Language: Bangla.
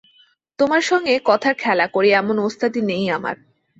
তোমার সঙ্গে কথার খেলা করি এমন ওস্তাদি নেই আমার।